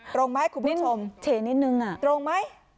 ตรงไหมคุณผู้ชมตรงไหม